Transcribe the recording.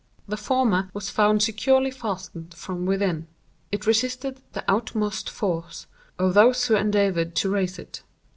The former was found securely fastened from within. It resisted the utmost force of those who endeavored to raise it.